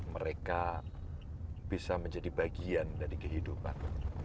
mereka bisa menjadi bagian dari kehidupan